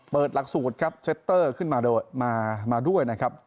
หลักสูตรครับเซตเตอร์ขึ้นมาด้วยนะครับ